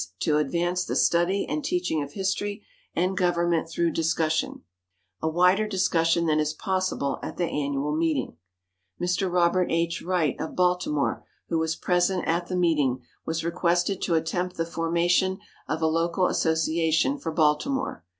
"to advance the study and teaching of history and government through discussion," a wider discussion than is possible at the annual meeting. Mr. Robert H. Wright, of Baltimore, who was present at the meeting, was requested to attempt the formation of a local association for Baltimore.